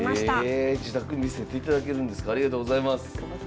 自宅見せていただけるんですかありがとうございます。